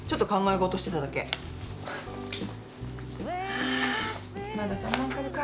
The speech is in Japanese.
ああまだ３万株か。